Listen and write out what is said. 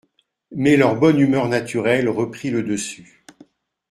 Mais leur bonne humeur naturelle reprit le dessus.